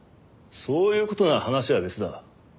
そういう事なら話は別だ。